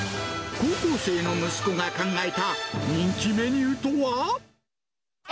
高校生の息子が考えた、人気メニューとは。